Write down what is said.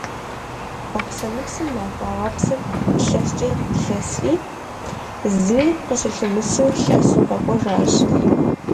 Бахъсэныпсым Махуэгъэпсыр илъэскӏэ илъэсри, зыри къыщылъымысым, лъэсу къэкӏуэжащ.